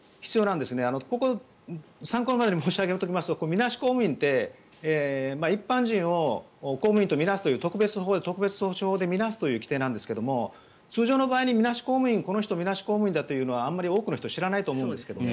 参考までに申し上げますとみなし公務員って一般人を公務員と見なすという特別措置法で見なすという規定なんですけど通常の場合にみなし公務員この人みなし公務員ってことは多くの人、知らないと思うんですね。